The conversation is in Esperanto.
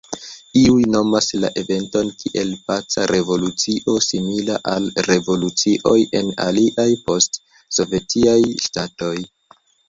Iuj nomas la eventon kiel paca revolucio simila al revolucioj en aliaj post-sovetiaj ŝtatoj.